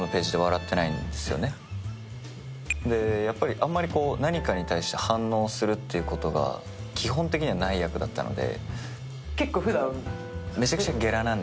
あんまり何かに対して反応するということが基本的にはない役だったので。